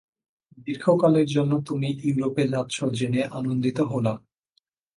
দীর্ঘকালের জন্য তুমি ইউরোপে যাচ্ছ জেনে আনন্দিত হলাম।